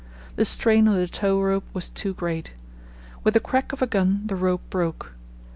The strain on the tow rope was too great. With the crack of a gun the rope broke.